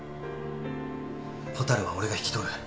ほたるは俺が引き取る。